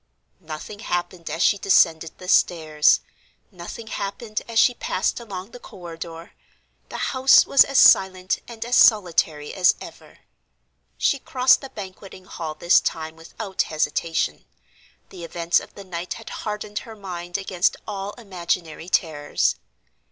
Nothing happened as she descended the stairs, nothing happened as she passed along the corridor; the house was as silent and as solitary as ever. She crossed the Banqueting Hall this time without hesitation; the events of the night had hardened her mind against all imaginary terrors.